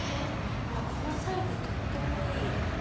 このサイズとってもいい。